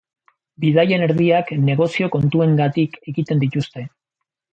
Bidaien erdiak negozio kontuengatik egiten dituzte.